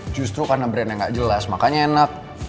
justru karena brandnya nggak jelas makanya enak